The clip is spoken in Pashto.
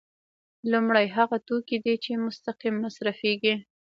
لومړی هغه توکي دي چې مستقیم مصرفیږي.